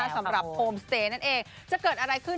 โฮมสเตย์นั่นเองจะเกิดอะไรขึ้น